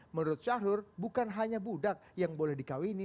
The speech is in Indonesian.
menurut syahrul bukan hanya budak yang boleh dikawini